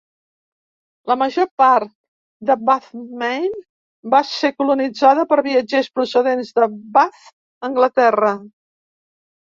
La major part de Bath, Maine, va ser colonitzada per viatgers procedents de Bath, Anglaterra.